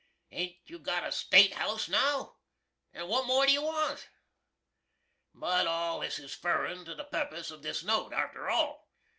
Hain't you got the State House now? & what more do you want? But all this is furrin to the purpuss of this note, arter all.